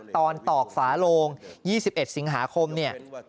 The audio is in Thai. ตอกฝาโลง๒๑สิงหาคมเนี่ย